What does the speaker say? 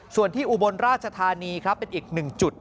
ส่วนที่อุบลราชธานีครับเป็นอีกหนึ่งจุด